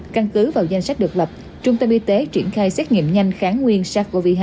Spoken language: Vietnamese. căn cứ vào danh sách được lập trung tâm y tế triển khai xét nghiệm nhanh kháng nguyên sars cov hai